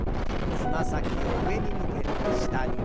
つま先を上に向けて下に。